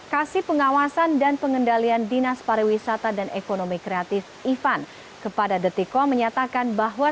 kasih pengawasan dan pengendalian dinas pariwisata dan ekonomi kreatif ivan kepada detikom menyatakan bahwa